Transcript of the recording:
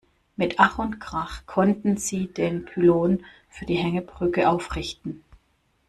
Mit Ach und Krach konnten sie den Pylon für die Hängebrücke aufrichten.